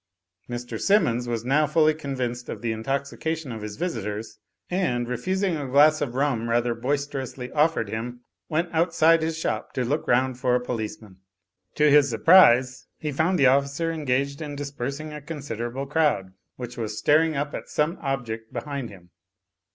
Mr. Simmons was now fully convinced of the intoxication of his visitors, and refusing a glass of rum rather boisterously offered him, went outside his shop to look round for a policeman. To his surprise he found the oflScer engaged in dispersing a con siderable crowd, which was staring up at some object behind him.